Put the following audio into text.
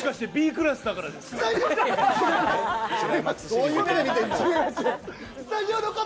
Ｂクラスだからですか？